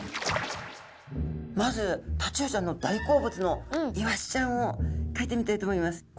まずタチウオちゃんの大好物のイワシちゃんをかいてみたいと思います。